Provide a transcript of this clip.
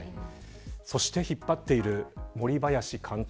そして引っ張っている森林監督